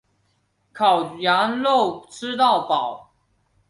烤羊肉吃到饱